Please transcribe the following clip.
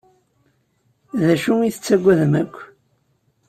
D acu i tettagadem akk?